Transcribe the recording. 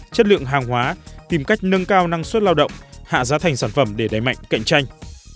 chất lượng hàng hóa tìm cách nâng cao năng suất lao động hạ giá thành sản phẩm để đẩy mạnh cạnh tranh